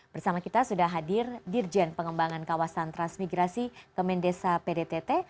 bersama kita sudah hadir dirjen pengembangan kawasan transmigrasi kemendesa pdtt